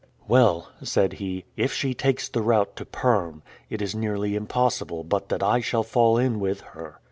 "Well," said he, "if she takes the route to Perm, it is nearly impossible but that I shall fall in with her.